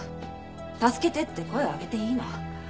助けてって声を上げていいの。